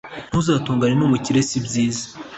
Ntuzatongane n’umukire sibyiza